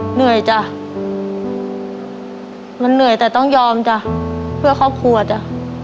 เหนื่อยจ้ะมันเหนื่อยแต่ต้องยอมจ้ะเพื่อครอบครัวจ้ะ